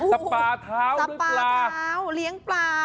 ปาเท้าหรือเปล่าปลาเท้าเลี้ยงปลา